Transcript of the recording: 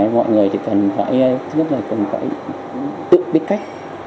mọi người cần phải tự biết cách